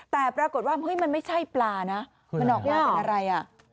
แต่ปรากฏว่าเฮ้ยมันไม่ใช่ปลานะมันออกมาเป็นอะไรอ่ะ